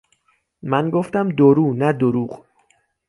من گفتم دو رو نه دروغ